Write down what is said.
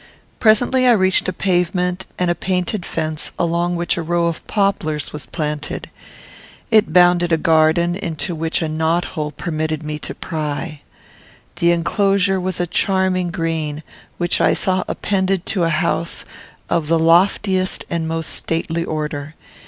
Presently I reached a pavement, and a painted fence, along which a row of poplars was planted. It bounded a garden into which a knot hole permitted me to pry. The enclosure was a charming green, which I saw appended to a house of the loftiest and most stately order.